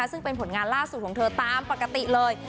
ซึ่งเป็นผลงานล่าสุดของเธอตามปกติเลย